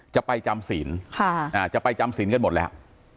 จะไปจำศีลจะไปจำศีลกันหมดแล้ว